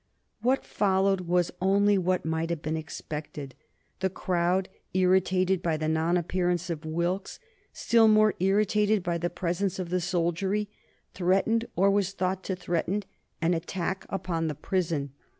What followed was only what might have been expected. The crowd, irritated by the non appearance of Wilkes, still more irritated by the presence of the soldiery, threatened, or was thought to threaten, an attack upon the prison.